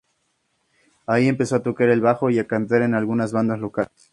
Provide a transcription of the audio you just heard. Allí empezó a tocar el bajo y a cantar en algunas bandas locales.